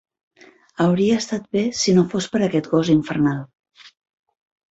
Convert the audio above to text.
Hauria estat bé si no fos per aquest gos infernal.